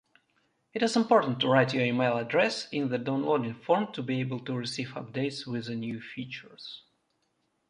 It is important to write your email address in the downloading form to be able to receives updates with the new features.